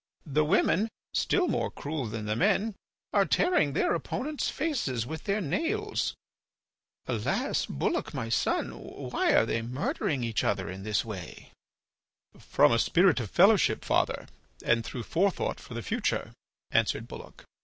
The women, still more cruel than the men, are tearing their opponents' faces with their nails. Alas! Bulloch, my son, why are they murdering each other in this way?" "From a spirit of fellowship, father, and through forethought for the future," answered Bulloch.